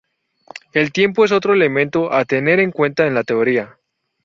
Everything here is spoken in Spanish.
El tiempo es otro elemento a tener en cuenta en la teoría.